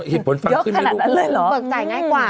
เหตุผลเบิกจ่ายง่ายกว่า